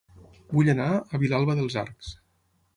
Vull anar a Vilalba dels Arcs